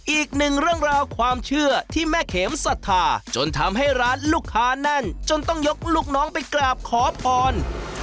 อีกหนึ่งเรื่องราวความเชื่อที่แม่เข็มศรัทธาจนทำให้ร้านลูกค้าแน่นจนต้องยกลูกน้องไปกราบขอพร